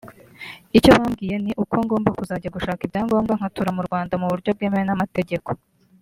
icyo bambwiye ni uko ngomba kuzajya gushaka ibyangombwa nkatura mu Rwanda mu buryo bwemewe n’amategeko